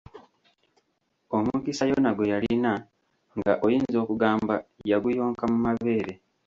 Omukisa yona gwe yalina nga oyinza okugamba yaguyonka mu mabeere.